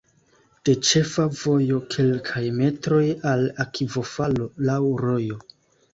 De ĉefa vojo kelkaj metroj al akvofalo laŭ rojo.